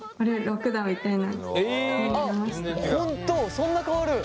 そんな変わる？